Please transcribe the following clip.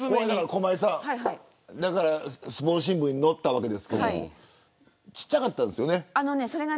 駒井さん、だからスポーツ新聞に載ったわけですけど小っちゃかったんですよね。